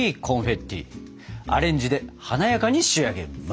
アレンジで華やかに仕上げます！